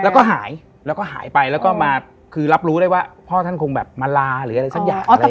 แล้วก็หายแล้วก็หายไปแล้วก็มาคือรับรู้ได้ว่าพ่อท่านคงแบบมาลาหรืออะไรสักอย่างอะไร